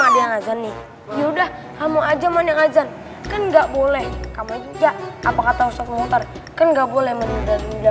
udah kamu aja kan nggak boleh kamu aja apa kata ustadz muhtar kan nggak boleh menunda